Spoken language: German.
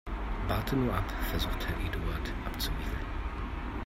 Warte nur ab, versucht Herr Eduard abzuwiegeln.